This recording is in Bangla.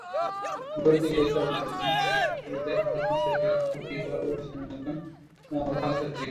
বুয়েট থেকে স্থাপত্যবিদ্যায় পড়াশোনা শেষ করা অপি বরাবরই ছিলেন একজন ভালো ছাত্রী।